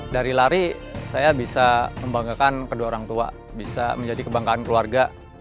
dari lari saya bisa membanggakan kedua orang tua bisa menjadi kebanggaan keluarga